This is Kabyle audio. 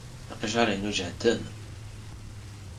Iqejjaṛen-inu jehden.